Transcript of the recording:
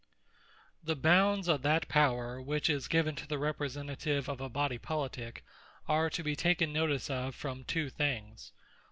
The bounds of that Power, which is given to the Representative of a Bodie Politique, are to be taken notice of, from two things.